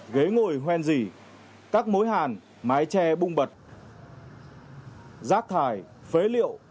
ghế ngồi hoen dỉ các mối hàn mái tre bung bật rác thải phế liệu